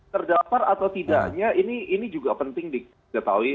terdapar atau tidaknya ini juga penting diketahui